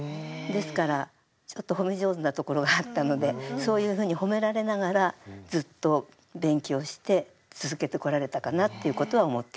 ですからちょっと褒め上手なところがあったのでそういうふうに褒められながらずっと勉強して続けてこられたかなっていうことは思っています。